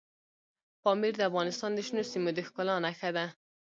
پامیر د افغانستان د شنو سیمو د ښکلا نښه ده.